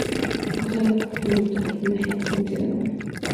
La costa de la parte norte pertenece a la provincia de Adana.